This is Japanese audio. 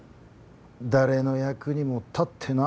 誰の役にも立ってない。